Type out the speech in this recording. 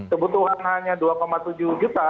kebutuhan hanya dua tujuh juta